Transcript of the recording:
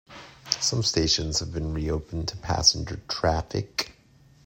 Some stations have been reopened to passenger traffic.